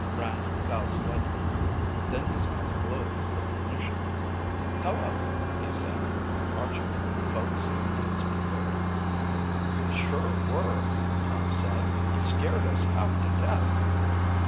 Rand bowed slightly. Then his eyes glowed with recognition. "Hello," he said. "Aren't you the folks in the speedboat?" "We sure were," Tom said. "You scared us half to death."